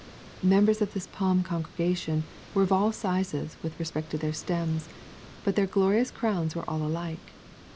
Members of this palm congregation were of all sizes with respect to their stems; but their glorious crowns were all alike.